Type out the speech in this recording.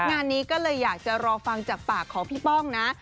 งานนี้ก็เลยอยากจะรอฟังจากปากของพี่ป้องนะ